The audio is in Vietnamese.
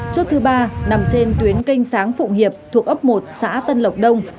chốt thứ ba nằm trên tuyến canh sáng phụng hiệp thuộc ấp một xã tân lộc đông